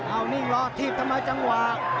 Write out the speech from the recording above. เอานิ่งรอทีบต่อมาจังหวะ